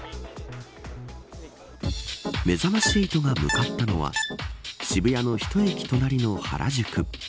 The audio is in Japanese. めざまし８が向かったのは渋谷の一駅隣の原宿駅。